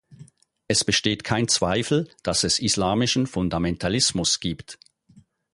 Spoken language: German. Es besteht kein Zweifel, dass es islamischen Fundamentalismus gibt.